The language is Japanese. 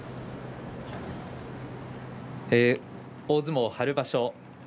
大相撲春場所